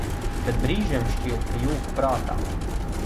Bet brīžiem šķiet, ka jūku prātā.